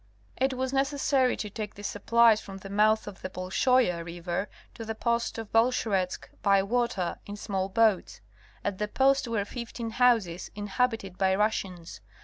It was necessary to take the supplies from the mouth of the [Bolshoia] river to the post of Bolsheretsk by water in small boats. At the post were fifteen houses inhabited by Russians.